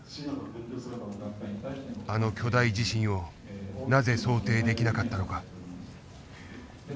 あの巨大地震をなぜ想定できなかったのか。